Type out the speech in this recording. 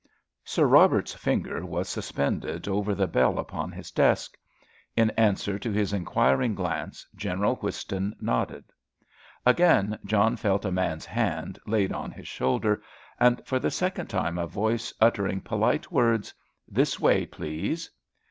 Sir Robert's finger was suspended over the bell upon his desk. In answer to his inquiring glance, General Whiston nodded. Again John felt a man's hand laid on his shoulder, and for the second time a voice uttering polite words: "This way, please!"